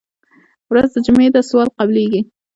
ورځ د جمعې ده سوال قبلېږي.